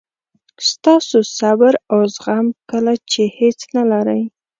ستاسو صبر او زغم کله چې هیڅ نه لرئ.